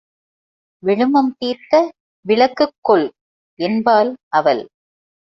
விழுமம் தீர்த்த விளக்குக் கொல் என்பாள் அவள்.